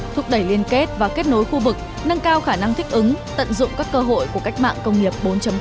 thúc đẩy liên kết và kết nối khu vực nâng cao khả năng thích ứng tận dụng các cơ hội của cách mạng công nghiệp bốn